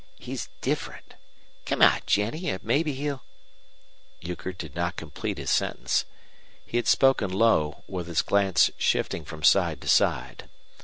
He's different. Come out, Jennie, an' mebbe he'll " Euchre did not complete his sentence. He had spoken low, with his glance shifting from side to side.